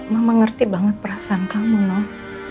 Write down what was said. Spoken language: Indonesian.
mama mengerti banget perasaan kamu noh